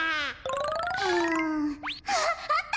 うんあっあった！